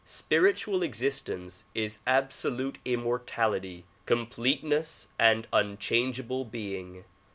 Spiritual existence is absolute immortality, completeness and unchangeable being.